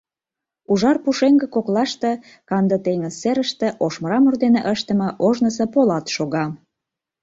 Ужар пушеҥге коклаште, канде теҥыз серыште ош мрамор дене ыштыме ожнысо полат шога.